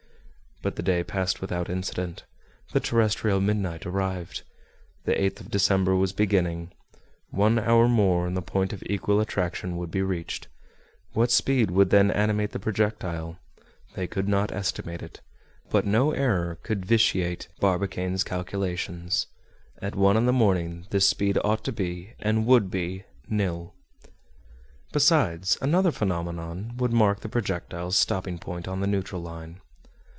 But the day passed without incident. The terrestrial midnight arrived. The 8th of December was beginning. One hour more, and the point of equal attraction would be reached. What speed would then animate the projectile? They could not estimate it. But no error could vitiate Barbicane's calculations. At one in the morning this speed ought to be and would be nil. Besides, another phenomenon would mark the projectile's stopping point on the neutral line.